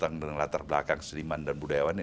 yang datang dari latar belakang keseliman dan budaya wanita